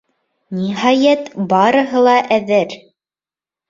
Ниһайәт, бараһы ла әҙер.